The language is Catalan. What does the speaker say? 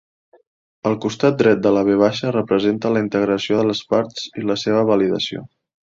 El costat dret de la "V" representa la integració de les parts i la seva validació.